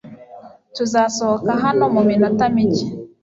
Tuzasohoka hano muminota mike.